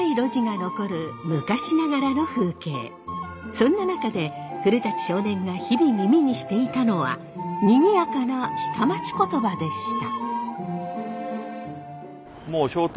そんな中で古少年が日々耳にしていたのはにぎやかな下町言葉でした。